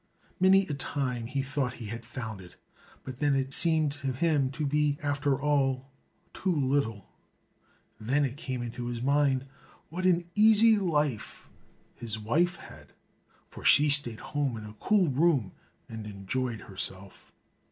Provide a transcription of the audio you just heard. Many a time he thought he had found it, but then it seemed to him to be, after all, too little. Then it came into his mind, what an easy life his wife had, for she stayed at home in a cool room and enjoyed herself.